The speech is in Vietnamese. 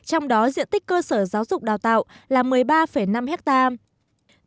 trong đó diện tích cơ sở giáo dục đào tạo là một mươi ba năm hectare